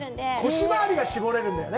腰回りが絞れるんだよね？